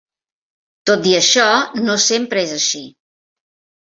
Tot i això, no sempre és així.